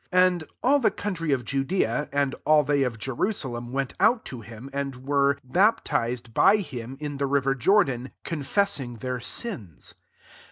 5 And all the country of Judea, and all they of Jerusalem, went out to him, and were baptized by him^in the river Jordan, con fessing their sins.